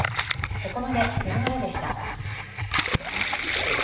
ここまでつながるでした。